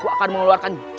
kam yearningnya intinya